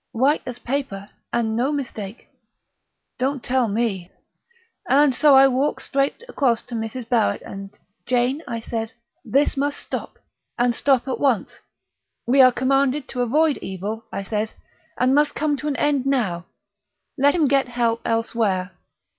white as paper, and no mistake! Don't tell me!... And so I walks straight across to Mrs. Barrett, and 'Jane,' I says, 'this must stop, and stop at once; we are commanded to avoid evil,' I says, 'and it must come to an end now; let him get help elsewhere.'